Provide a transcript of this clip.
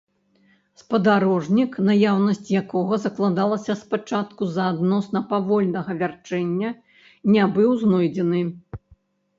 Спадарожнік, наяўнасць якога закладалася спачатку з-за адносна павольнага вярчэння, не быў знойдзены.